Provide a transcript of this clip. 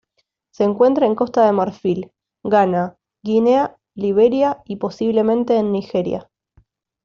Se encuentra en Costa de Marfil, Ghana, Guinea, Liberia y, posiblemente en Nigeria.